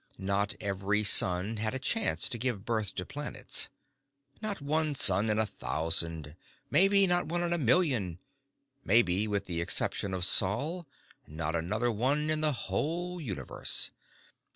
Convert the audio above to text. Not every sun had a chance to give birth to planets. Not one sun in a thousand, maybe not one in a million; maybe, with the exception of Sol, not another one in the whole universe.